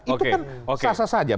itu kan sasa saja